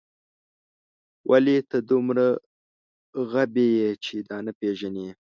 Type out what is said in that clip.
ولې ته دومره غبي یې چې دا نه پېژنې